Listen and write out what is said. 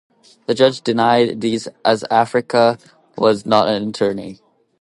The judge denied these as Africa was not an attorney.